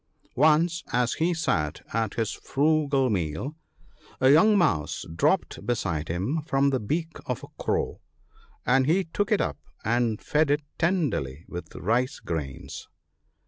Once, as he sat at his frugal meal, a young mouse dropped beside him from the beak of a crow, and he took it up and fed it tenderly with rice grains.